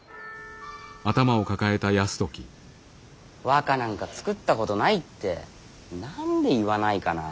和歌なんか作ったことないって何で言わないかな。